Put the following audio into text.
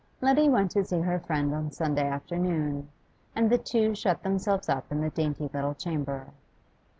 Letty went to see her friend on Sunday afternoon, and the two shut themselves up in the dainty little chamber.